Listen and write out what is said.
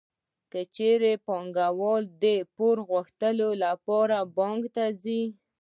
کله چې پانګوال د پور غوښتلو لپاره بانک ته ځي